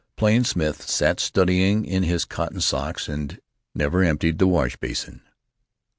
Plain Smith sat studying in his cotton socks, and never emptied the wash basin.